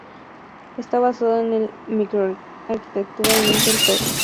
Está basado en la microarquitectura Intel Core.